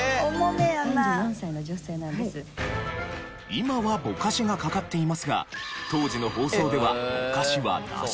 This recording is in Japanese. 今はボカシがかかっていますが当時の放送ではボカシはなし。